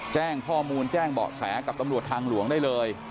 แจ้งข้อมูลแจ้งเบาะแสกับตำรวจทางหลวงได้เลย